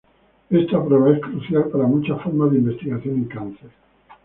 Esta prueba es crucial para muchas formas de investigación en cáncer.